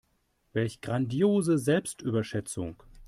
Welch grandiose Selbstüberschätzung.